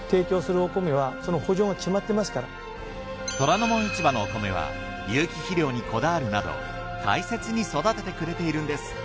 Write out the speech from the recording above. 『虎ノ門市場』のお米は有機肥料にこだわるなど大切に育ててくれているんです。